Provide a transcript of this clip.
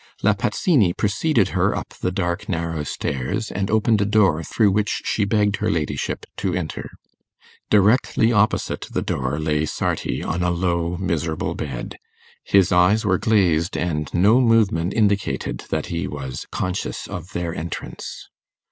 La Pazzini preceded her up the dark narrow stairs, and opened a door through which she begged her ladyship to enter. Directly opposite the door lay Sarti, on a low miserable bed. His eyes were glazed, and no movement indicated that he was conscious of their entrance.